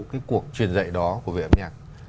cái cuộc truyền dạy đó của viện âm nhạc